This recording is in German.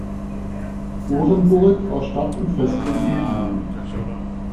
Orenburg war Stadt und Festung in einem.